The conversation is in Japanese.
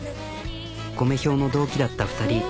コメ兵の同期だった２人。